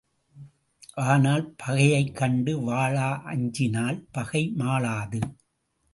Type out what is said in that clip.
ஆனால், பகையைக் கண்டு வாளா அஞ்சினால் பகை மாளாது.